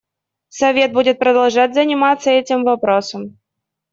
Совет будет продолжать заниматься этим вопросом.